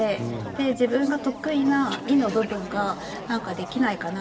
自分が得意な衣の部分がなんかできないかなとか。